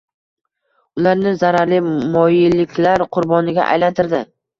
ularni zararli moyilliklar qurboniga aylantirdi.